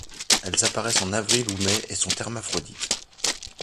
Elles apparaissent en avril ou mai et sont hermaphrodites.